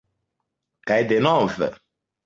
Kaj denove.